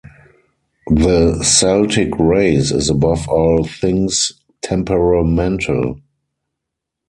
The Celtic race is above all things temperamental.